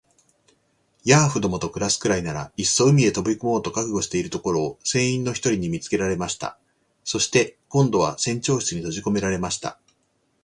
ヤーフどもと暮すくらいなら、いっそ海へ飛び込もうと覚悟しているところを、船員の一人に見つけられました。そして、今度は船長室にとじこめられました。